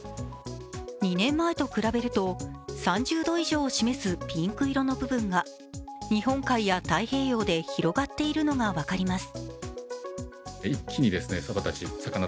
２年前と比べると、３０度以上を示すピンク色の部分が日本海や太平洋で広がっているのが分かります